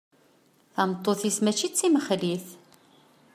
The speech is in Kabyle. Tameṭṭut-is mačči d timexlit.